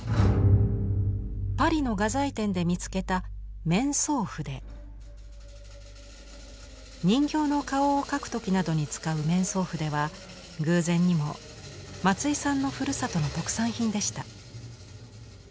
パリの画材店で見つけた人形の顔を描く時などに使う面相筆は偶然にも松井さんのふるさとの特産品でした。